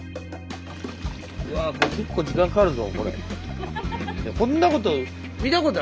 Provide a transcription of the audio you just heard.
うわこれ結構時間かかるぞこれ。